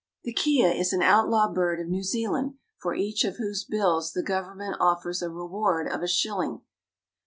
The kea is an outlaw bird of New Zealand for each of whose bills the government offers a reward of a shilling.